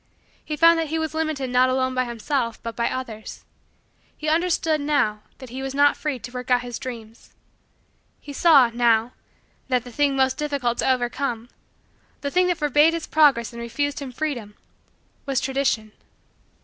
He found that he was limited not alone by himself but by others. He understood, now, that he was not free to work out his dreams. He saw, now, that the thing most difficult to overcome the thing that forbade his progress and refused him freedom was Tradition.